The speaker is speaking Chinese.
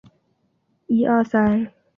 东望跨坐黯影山脉山肩的米那斯伊希尔。